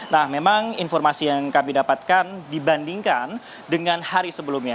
nah memang informasi yang kami dapatkan dibandingkan dengan hari sebelumnya